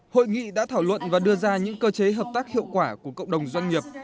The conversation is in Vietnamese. hội nghị đã thảo luận và đưa ra những cơ chế hợp tác hiệu quả của cộng đồng doanh nghiệp